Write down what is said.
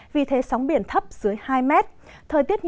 vì thế sóng biển thấp dưới hai mét